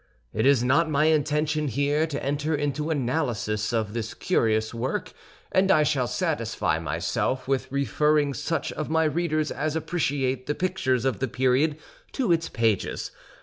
It is not my intention here to enter into an analysis of this curious work; and I shall satisfy myself with referring such of my readers as appreciate the pictures of the period to its pages.